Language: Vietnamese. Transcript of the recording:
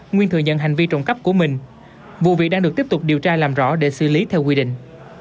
nguyên thừa nhận hành vi trộm cắp của mình vụ việc đang được tiếp tục điều tra làm rõ để xử lý theo quy định